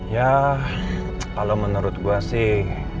ya kalau menurut gue sih